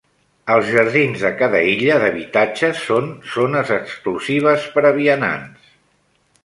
Els jardins de cada illa d'habitatges són zones exclusives per a vianants.